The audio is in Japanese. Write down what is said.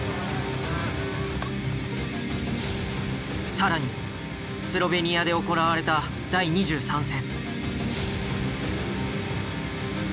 更にスロベニアで行われた第２３戦。